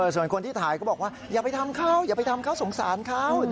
ส่วนคนที่ถ่ายก็บอกว่าอย่าไปทำเขาสงสารเขา